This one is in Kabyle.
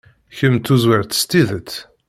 Kemm d tuẓwirt s tidet.